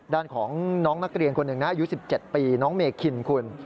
ด้านของน้องนักเรียนคนหนึ่งนะอายุ๑๗ปีน้องเมคินคุณ